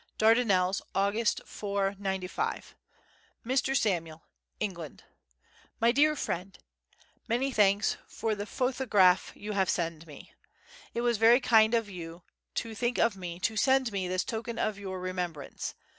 Dardanelles, August 4/95. Mr. Samuel. England. MY DEAR FRIEND, Many thanks for the phothograph you have send me. It was very kind of you to think of me to send me this token of your remembrance.